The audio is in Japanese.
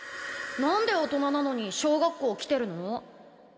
なんで大人なのに小学校来てるの？